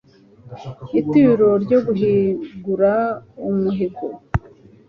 ituro ryo guhigura umuhigo